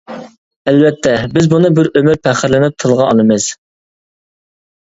ئەلۋەتتە، بىز بۇنى بىر ئۆمۈر پەخىرلىنىپ تىلغا ئالىمىز.